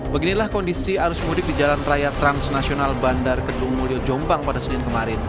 beginilah kondisi arus mudik di jalan raya transnasional bandar kedung mulyo jombang pada senin kemarin